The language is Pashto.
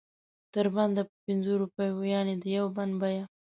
تر بنده په پنځو روپو یعنې د یو بند بیه.